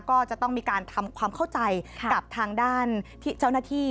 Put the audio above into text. ก็จะต้องมีการทำความเข้าใจกับทางด้านเจ้าหน้าที่